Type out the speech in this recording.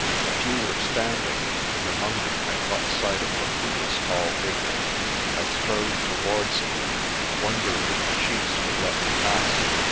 A few were standing, and among them I caught sight of Laputa's tall figure. I strode towards it, wondering if the chiefs would let me pass.